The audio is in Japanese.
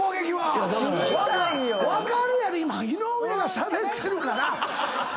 分かるやろ⁉今井上がしゃべってるから。